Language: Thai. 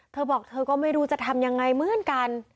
เธอบอกเธอก็ไม่รู้จะทำยังไงเหมือนกัน